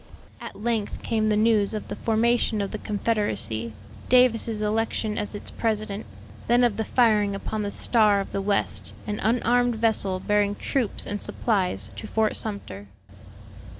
At length came the news of the formation of the Confederacy: Davis's election as its president; then of the firing upon the Star of the West, an unarmed vessel bearing troops and supplies to Fort Sumter.